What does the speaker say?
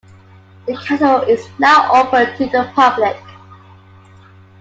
The castle is now open to the public.